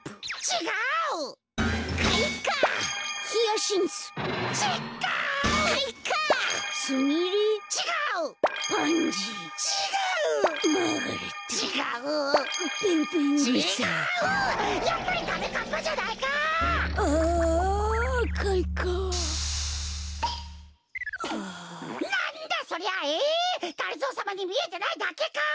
がりぞーさまにみえてないだけか？